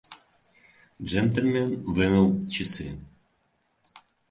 Джентльмен вынул часы.